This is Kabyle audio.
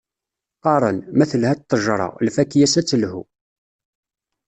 Qqaren, ma telha ṭṭejṛa, lfakya-s ad telhu.